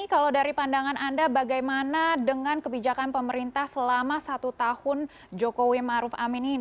kalau dari pandangan anda bagaimana dengan kebijakan pemerintah selama satu tahun jokowi maruf amin ini